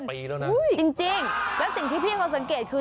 เจ็บบีแล้วนะจริงเห้ื่อแล้วสิ่งที่พี่เพียวเขาสังเกตห์คือ